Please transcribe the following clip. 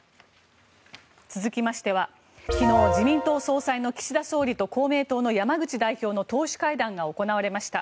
続きましては昨日、自民党総裁の岸田総理と公明党の山口代表の党首会談が行われました。